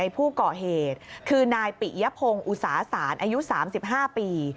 ผู้ก่อเหตุคือนายปิยพงศ์อุตสาศาลอายุ๓๕ปี